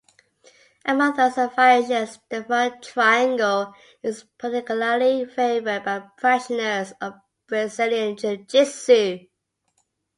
Among those variations, the front triangle is particularly favored by practitioners of Brazilian jiu-jitsu.